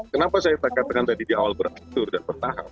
kenapa saya katakan tadi di awal beraktur dan bertahap